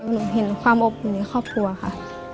หนูเห็นความอบอุ่นในครอบครัวค่ะ